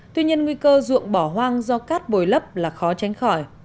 tuy nhiên nguy cơ ruộng bỏ hoang do cát bồi lấp là khó tránh khỏi